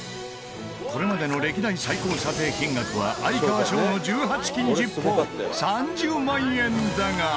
これまでの歴代最高査定金額は哀川翔の１８金ジッポー３０万円だが。